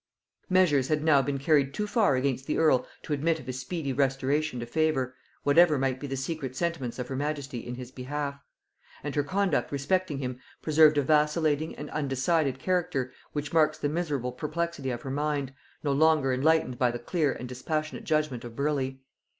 Measures had now been carried too far against the earl to admit of his speedy restoration to favor, whatever might be the secret sentiments of her majesty in his behalf; and her conduct respecting him preserved a vacillating and undecided character which marks the miserable perplexity of her mind, no longer enlightened by the clear and dispassionate judgement of Burleigh.